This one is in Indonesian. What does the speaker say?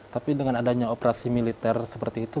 tapi dengan adanya operasi militer seperti itu